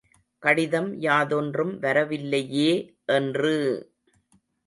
கடிதம் யாதொன்றும் வரவில்லையே என்று!